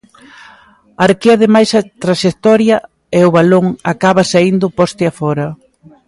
Arquea de máis a traxectoria e o balón acaba saíndo poste afora.